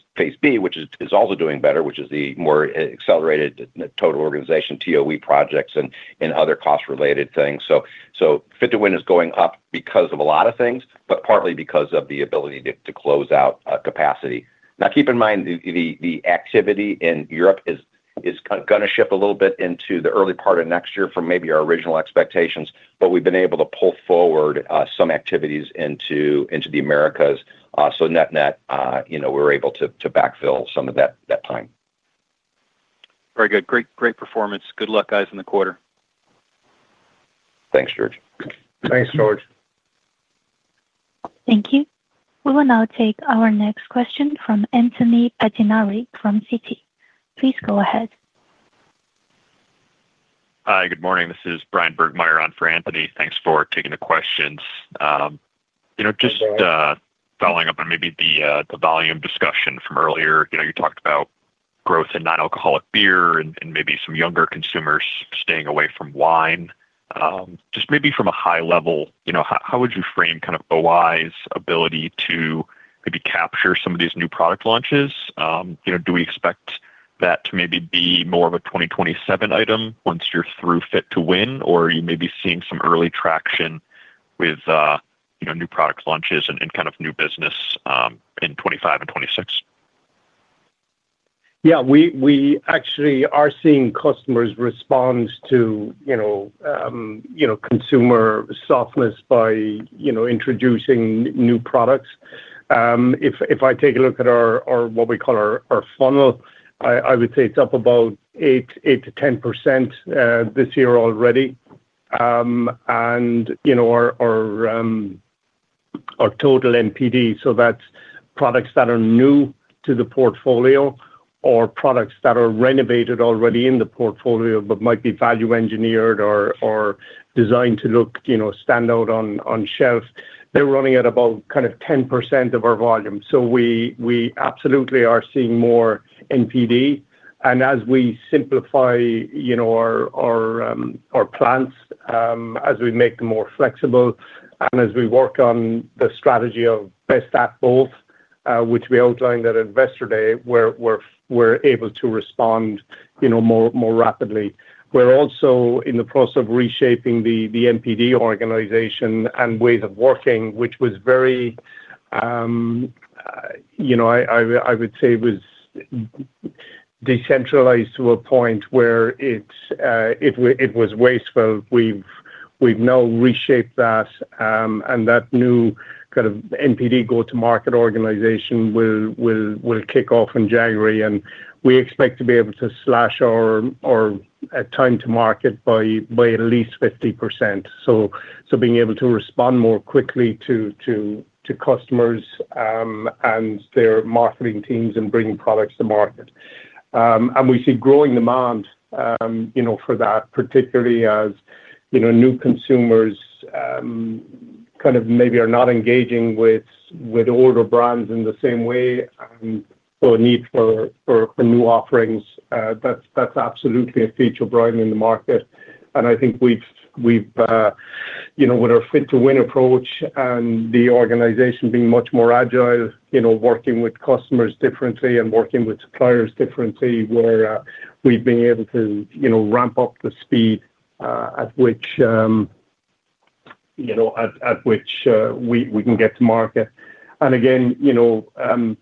B, which is also doing better, which is the more accelerated total organization TOE projects and other cost-related things. So fit to win is going up because of a lot of things, but partly because of the ability to close out capacity. Now, keep in mind the activity in Europe is going to shift a little bit into the early part of next year from maybe our original expectations, but we've been able to pull forward some activities into the Americas. So net-net, you know, we're able to backfill some of that time. Very good. Great performance. Good luck, guys, in the quarter. Thanks, George. Thanks, George. Thank you. We will now take our next question from Brian Bergmeyer, substituting for Anthony Pettinari from Citi. Please go ahead. Hi, good morning. This is Brian Bergmeyer on for Anthony. Thanks for taking the questions. You know, just following up on maybe the volume discussion from earlier, you know, you talked about growth in non-alcoholic beer and maybe some younger consumers staying away from wine. Just maybe from a high level, you know, how would you frame kind of O-I's ability to maybe capture some of these new product launches? You know, do we expect that to maybe be more of a 2027 item once you're through fit to win, or are you maybe seeing some early traction with new product launches and kind of new business in 2025 and 2026? Yeah, we actually are seeing customers respond to, you know, consumer softness by, you know, introducing new products. If I take a look at our what we call our funnel, I would say it's up about 8-10% this year already. And, you know, our total NPD, so that's products that are new to the portfolio or products that are renovated already in the portfolio but might be value engineered or designed to look, you know, stand out on shelf. They're running at about kind of 10% of our volume. We absolutely are seeing more NPD. As we simplify, you know, our plants, as we make them more flexible and as we work on the strategy of best at both, which we outlined at investor day, we're able to respond, you know, more rapidly. We're also in the process of reshaping the NPD organization and ways of working, which was very, you know, I would say was decentralized to a point where it was wasteful. We've now reshaped that, and that new kind of NPD go-to-market organization will kick off in January. We expect to be able to slash our time to market by at least 50%. Being able to respond more quickly to customers and their marketing teams and bringing products to market. We see growing demand, you know, for that, particularly as, you know, new consumers kind of maybe are not engaging with older brands in the same way. A need for new offerings, that's absolutely a feature broadening the market. I think we've, you know, with our Fit-to-Win approach and the organization being much more agile, you know, working with customers differently and working with suppliers differently, we've been able to, you know, ramp up the speed at which we can get to market. Again, you know,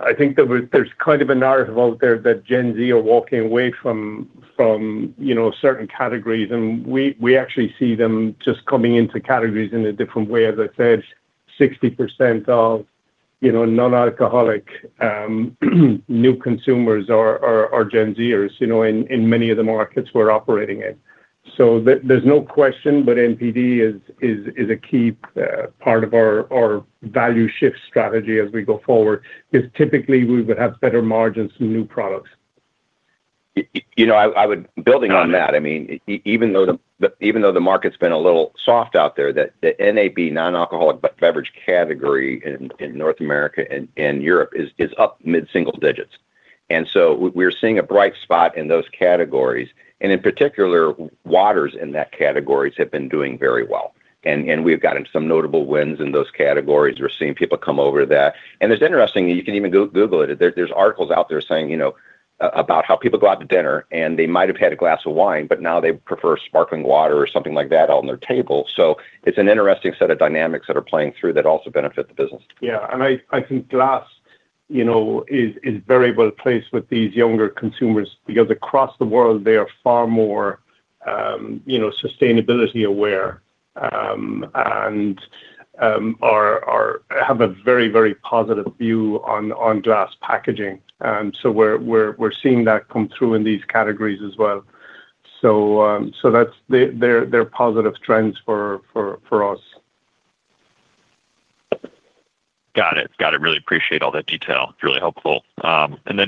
I think there's kind of a narrative out there that Gen Z are walking away from certain categories. We actually see them just coming into categories in a different way. As I said, 60% of, you know, non-alcoholic new consumers are Gen Zers, you know, in many of the markets we're operating in. There is no question that NPD is a key part of our value shift strategy as we go forward, because typically we would have better margins from new products. You know, I would, building on that, I mean, even though the market's been a little soft out there, the NAB, non-alcoholic beverage category in North America and Europe is up mid-single digits. We are seeing a bright spot in those categories. In particular, waters in that category have been doing very well. We have gotten some notable wins in those categories. We are seeing people come over to that. It is interesting, you can even Google it. There are articles out there saying, you know, about how people go out to dinner and they might have had a glass of wine, but now they prefer sparkling water or something like that on their table. It is an interesting set of dynamics that are playing through that also benefit the business. Yeah, and I think glass, you know, is very well placed with these younger consumers because across the world, they are far more, you know, sustainability aware. They have a very, very positive view on glass packaging. You know, we're seeing that come through in these categories as well. Those are positive trends for us. Got it. Got it. Really appreciate all that detail. It's really helpful.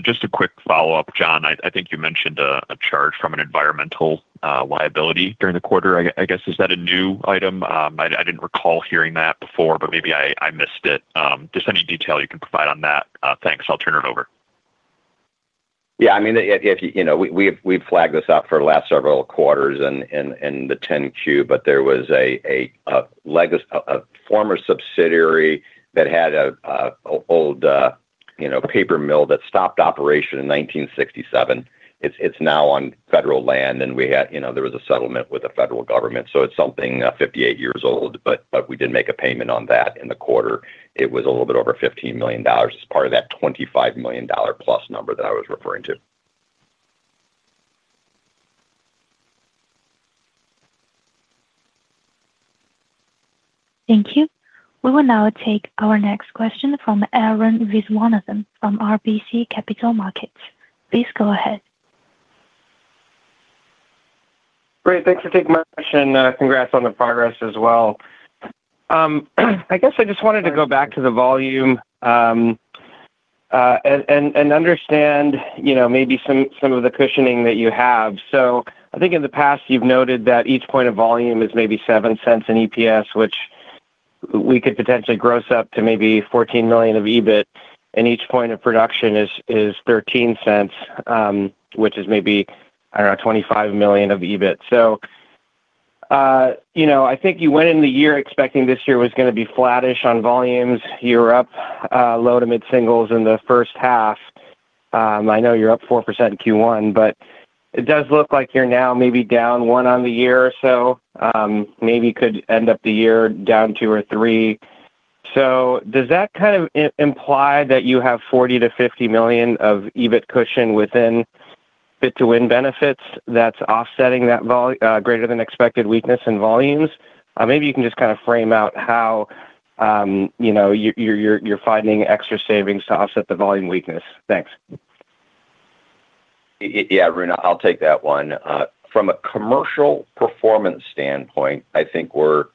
Just a quick follow-up, John, I think you mentioned a charge from an environmental liability during the quarter, I guess. Is that a new item? I didn't recall hearing that before, but maybe I missed it. Just any detail you can provide on that, thanks. I'll turn it over. Yeah, I mean, you know, we've flagged this out for the last several quarters in the 10Q, but there was a former subsidiary that had an old, you know, paper mill that stopped operation in 1967. It's now on federal land. And we had, you know, there was a settlement with the federal government. So it's something 58 years old, but we did make a payment on that in the quarter. It was a little bit over $15 million as part of that $25 million-plus number that I was referring to. Thank you. We will now take our next question from Arun Viswanathan from RBC Capital Markets. Please go ahead. Great. Thanks for taking my question. Congrats on the progress as well. I guess I just wanted to go back to the volume. You know, maybe some of the cushioning that you have. I think in the past, you've noted that each point of volume is maybe $0.07 in EPS, which we could potentially gross up to maybe $14 million of EBIT. Each point of production is $0.13, which is maybe, I do not know, $25 million of EBIT. You know, I think you went in the year expecting this year was going to be flattish on volumes. You were up low to mid-singles in the first half. I know you're up 4% in Q1, but it does look like you're now maybe down one on the year or so. Maybe could end up the year down two or three. Does that kind of imply that you have $40 million-$50 million of EBIT cushion within Fit-to-win benefits that's offsetting that greater than expected weakness in volumes? Maybe you can just kind of frame out how you know, you're finding extra savings to offset the volume weakness. Thanks. Yeah, Arun, I'll take that one. From a commercial performance standpoint, I think we're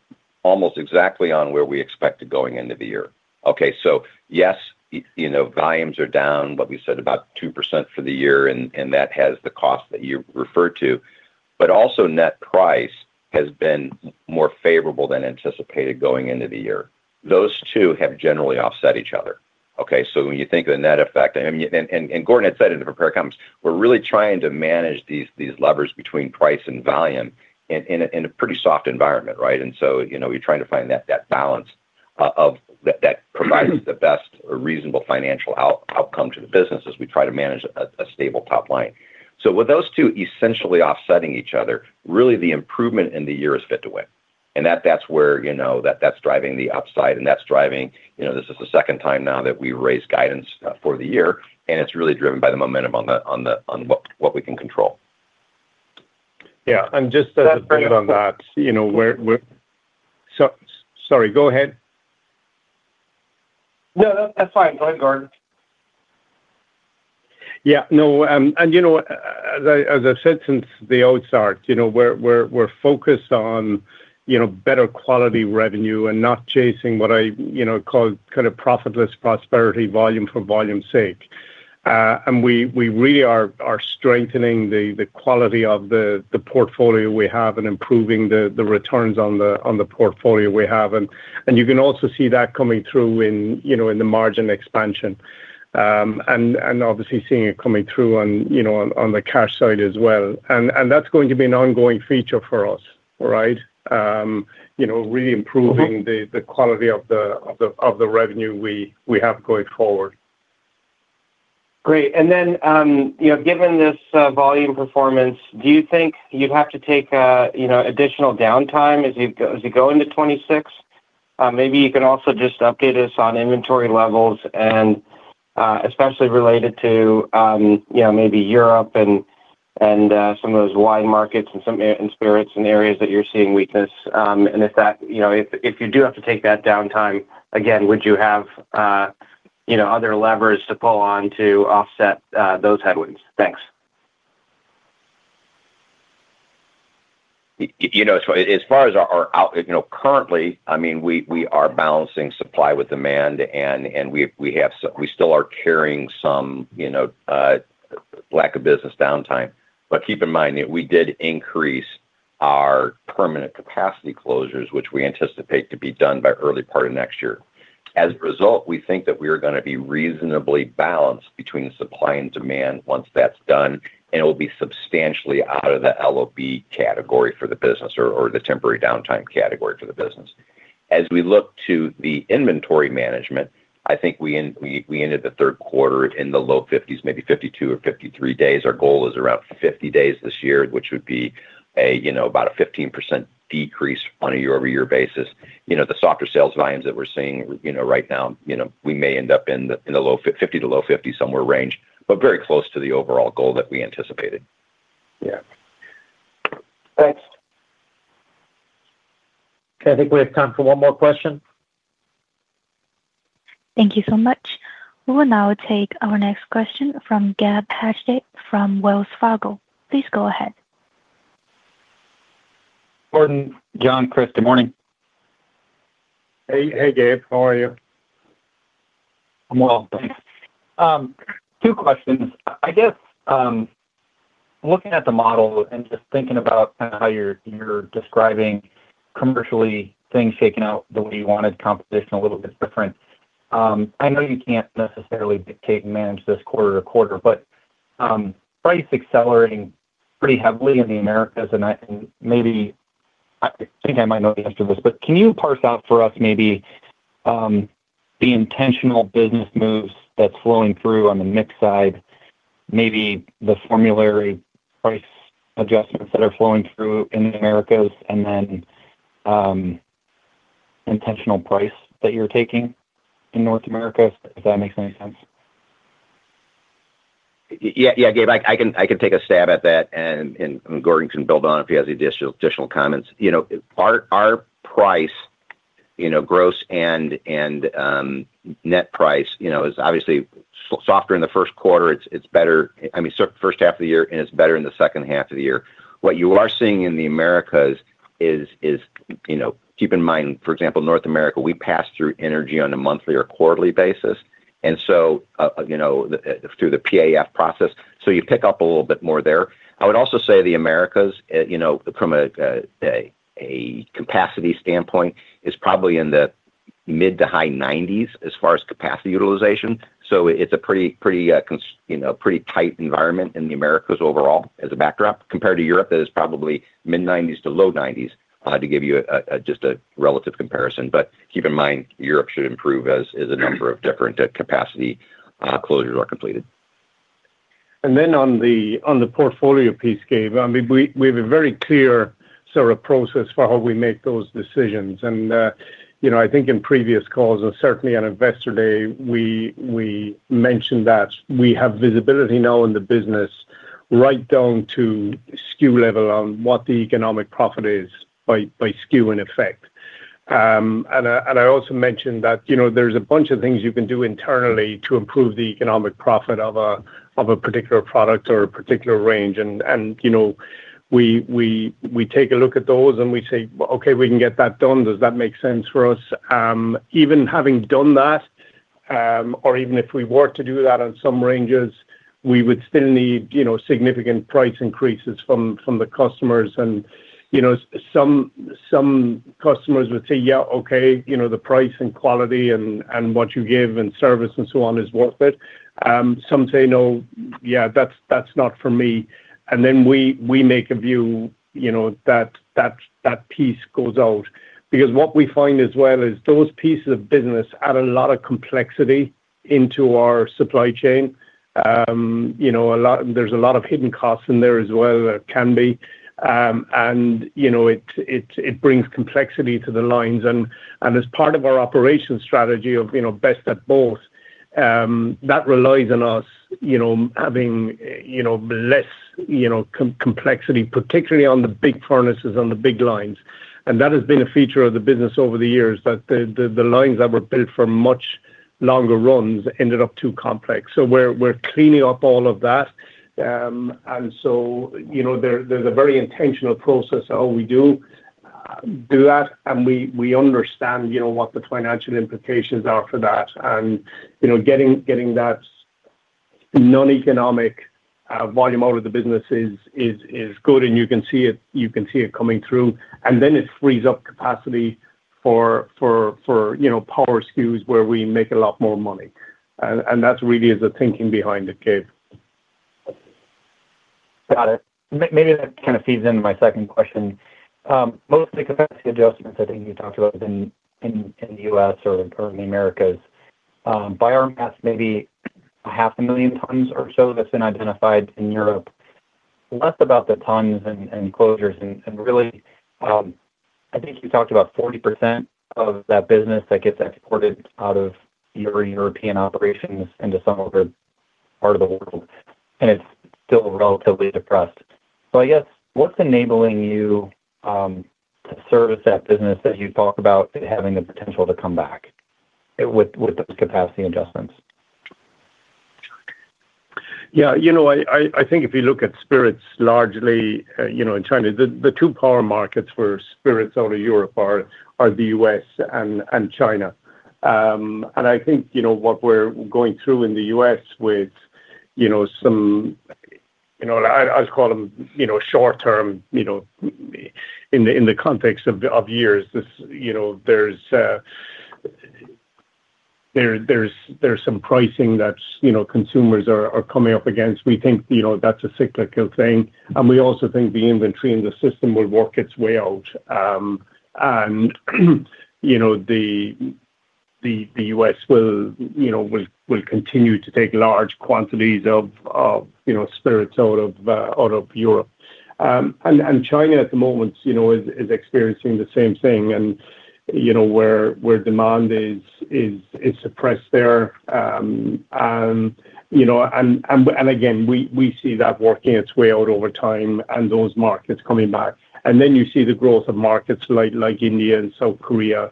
almost exactly on where we expected going into the year. Okay, so yes, you know, volumes are down, but we said about 2% for the year, and that has the cost that you referred to. Also, net price has been more favorable than anticipated going into the year. Those two have generally offset each other. Okay, so when you think of the net effect, and Gordon had said in the prepared comments, we're really trying to manage these levers between price and volume in a pretty soft environment, right? You know, we're trying to find that balance. That provides the best reasonable financial outcome to the business as we try to manage a stable top line. With those two essentially offsetting each other, really the improvement in the year is fit to win. And that's where, you know, that's driving the upside. And that's driving, you know, this is the second time now that we raised guidance for the year. And it's really driven by the momentum on what we can control. Yeah, I'm just a friend on that. You know. Sorry, go ahead. No, that's fine. Go ahead, Gordon. Yeah, no, and you know, as I said since the outset, you know, we're focused on, you know, better quality revenue and not chasing what I, you know, call kind of profitless prosperity volume for volume's sake. We really are strengthening the quality of the portfolio we have and improving the returns on the portfolio we have. You can also see that coming through in, you know, in the margin expansion. Obviously seeing it coming through on, you know, on the cash side as well. That's going to be an ongoing feature for us, right? You know, really improving the quality of the revenue we have going forward. Great. You know, given this volume performance, do you think you'd have to take additional downtime as you go into 2026? Maybe you can also just update us on inventory levels, especially related to Europe and some of those wine markets and spirits and areas that you're seeing weakness. If you do have to take that downtime again, would you have other levers to pull on to offset those headwinds? Thanks. You know, as far as our, you know, currently, I mean, we are balancing supply with demand. We still are carrying some, you know, lack of business downtime. Keep in mind that we did increase our permanent capacity closures, which we anticipate to be done by early part of next year. As a result, we think that we are going to be reasonably balanced between supply and demand once that is done. It will be substantially out of the LOB category for the business or the temporary downtime category for the business. As we look to the inventory management, I think we ended the third quarter in the low 50s, maybe 52 or 53 days. Our goal is around 50 days this year, which would be a, you know, about a 15% decrease on a year-over-year basis. You know, the softer sales volumes that we're seeing, you know, right now, you know, we may end up in the low 50- to low 50-somewhere range, but very close to the overall goal that we anticipated. Yeah. Thanks. I think we have time for one more question. Thank you so much. We will now take our next question from Gabe Hajde from Wells Fargo. Please go ahead. Gordon, John, Chris, good morning. Hey, Gabe. How are you? I'm well. Thanks. Two questions. I guess. Looking at the model and just thinking about kind of how you're describing commercially things shaking out the way you wanted, competition a little bit different. I know you can't necessarily dictate and manage this quarter to quarter, but price accelerating pretty heavily in the Americas. Maybe I think I might know the answer to this, but can you parse out for us maybe the intentional business moves that's flowing through on the mix side, maybe the formulary price adjustments that are flowing through in the Americas, and then intentional price that you're taking in North America, if that makes any sense? Yeah, Gabe, I can take a stab at that. Gordon can build on it if he has additional comments. You know, our price, you know, gross and net price, you know, is obviously softer in the first quarter. It is better, I mean, first half of the year, and it is better in the second half of the year. What you are seeing in the Americas is, you know, keep in mind, for example, North America, we pass through energy on a monthly or quarterly basis. You know, through the PAF process, you pick up a little bit more there. I would also say the Americas, you know, from a capacity standpoint, is probably in the mid to high 90s as far as capacity utilization. It is a pretty, you know, pretty tight environment in the Americas overall as a backdrop. Compared to Europe, that is probably mid 90s to low 90s, to give you just a relative comparison. Keep in mind, Europe should improve as a number of different capacity closures are completed. On the portfolio piece, Gabe, I mean, we have a very clear sort of process for how we make those decisions. You know, I think in previous calls, and certainly on Investor Day, we mentioned that we have visibility now in the business right down to SKU level on what the economic profit is by SKU in effect. I also mentioned that, you know, there are a bunch of things you can do internally to improve the economic profit of a particular product or a particular range. You know, we take a look at those and we say, okay, we can get that done. Does that make sense for us? Even having done that, or even if we were to do that on some ranges, we would still need, you know, significant price increases from the customers. Some. Customers would say, yeah, okay, you know, the price and quality and what you give and service and so on is worth it. Some say, no, yeah, that's not for me. Then we make a view, you know, that piece goes out. Because what we find as well is those pieces of business add a lot of complexity into our supply chain. You know, there's a lot of hidden costs in there as well that can be. You know, it brings complexity to the lines. As part of our operational strategy of, you know, best at both, that relies on us, you know, having, you know, less, you know, complexity, particularly on the big furnaces, on the big lines. That has been a feature of the business over the years that the lines that were built for much longer runs ended up too complex. We are cleaning up all of that. You know, there is a very intentional process of how we do that, and we understand, you know, what the financial implications are for that. You know, getting that non-economic volume out of the business is good, and you can see it coming through. It frees up capacity for power SKUs where we make a lot more money. That really is the thinking behind it, Gabe. Got it. Maybe that kind of feeds into my second question. Mostly capacity adjustments I think you talked about in the U.S. or in the Americas. By our math, maybe 500,000 tons or so that's been identified in Europe. Less about the tons and closures. Really, I think you talked about 40% of that business that gets exported out of your European operations into some other part of the world. It's still relatively depressed. I guess what's enabling you to service that business that you talk about having the potential to come back with those capacity adjustments? Yeah, you know, I think if you look at spirits largely, you know, in China, the two power markets for spirits out of Europe are the U.S. and China. I think, you know, what we're going through in the U.S. with, you know, some, you know, I'd call them, you know, short term, you know, in the context of years, you know, there's some pricing that, you know, consumers are coming up against. We think, you know, that's a cyclical thing. We also think the inventory in the system will work its way out. You know, the U.S. will, you know, will continue to take large quantities of, you know, spirits out of Europe. China at the moment, you know, is experiencing the same thing. You know, where demand is suppressed there. You know, we see that working its way out over time and those markets coming back. You see the growth of markets like India and South Korea,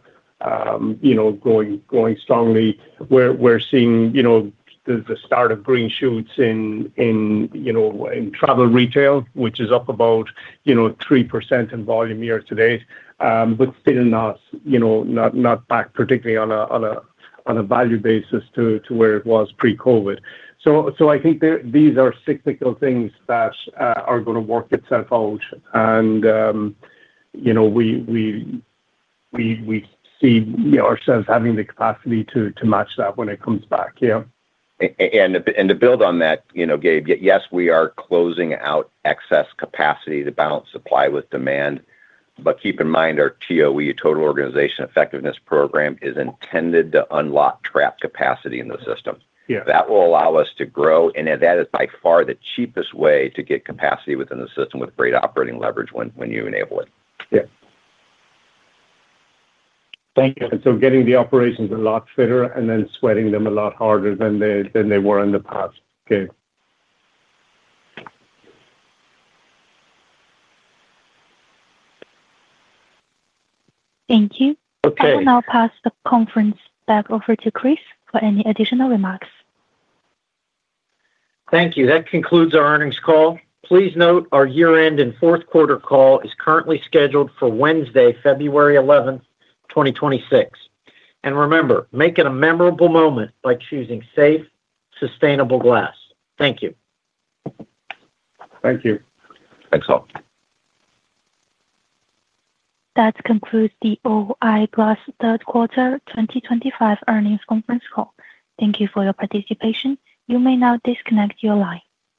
you know, growing strongly. We're seeing, you know, the start of green shoots in travel retail, which is up about 3% in volume year to date, but still not, you know, not back particularly on a value basis to where it was pre-COVID. I think these are cyclical things that are going to work itself out. You know, we see ourselves having the capacity to match that when it comes back. Yeah. To build on that, you know, Gabe, yes, we are closing out excess capacity to balance supply with demand. Keep in mind our TOE, total organization effectiveness program, is intended to unlock trapped capacity in the system. That will allow us to grow. That is by far the cheapest way to get capacity within the system with great operating leverage when you enable it. Thank you. Getting the operations a lot fitter and then sweating them a lot harder than they were in the past. Okay. Thank you. I'll now pass the conference back over to Chris for any additional remarks. Thank you. That concludes our earnings call. Please note our year-end and fourth quarter call is currently scheduled for Wednesday, February 11, 2026. Remember, make it a memorable moment by choosing safe, sustainable glass. Thank you. Thank you. Thanks all. That concludes the O-I Glass third quarter 2025 earnings conference call. Thank you for your participation. You may now disconnect your line.